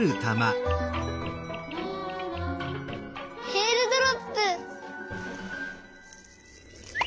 えーるドロップ！